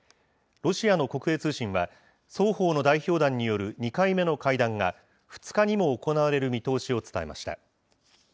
ロシアの国営通信は、双方の代表団による２回目の会談が、２日にも行われる見通しを伝えました。